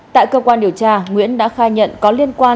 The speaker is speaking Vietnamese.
tại cơ quan điều tra nguyễn đã khai nhận có liên quan